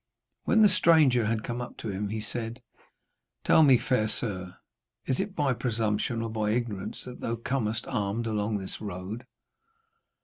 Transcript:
When the stranger had come up to him, he said: 'Tell me, fair sir, is it by presumption or by ignorance that thou comest armed along this road?'